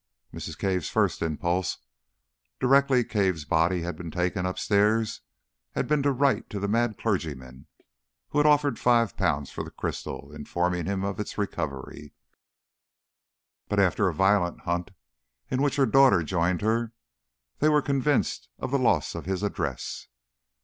Mrs. Cave's first impulse, directly Cave's body had been taken upstairs, had been to write to the mad clergyman who had offered five pounds for the crystal, informing him of its recovery; but after a violent hunt in which her daughter joined her, they were convinced of the loss of his address.